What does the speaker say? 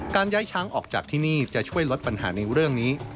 ย้ายช้างออกจากที่นี่จะช่วยลดปัญหาในเรื่องนี้